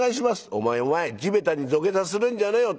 「お前お前地べたに土下座するんじゃねえよ。